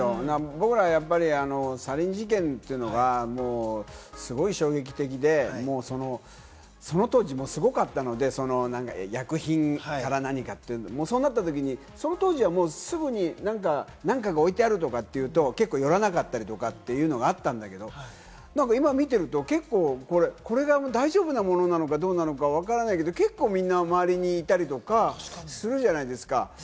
僕らは、サリン事件というのが、すごい衝撃的で、その当時すごかったので、薬品から何かというのがそうなったときに、その当時はすぐに何かが置いてあるというと、寄らなかったりとかというのがあったんだけれども、今見てると結構、これが大丈夫なものなのかどうなのか、わからないけれども、みんな周りに行ったりとかするじゃないですか。